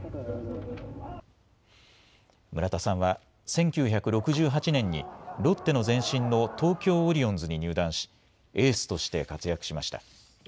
村田さんは１９６８年に、ロッテの前身の東京オリオンズに入団し、エースとして活躍しました。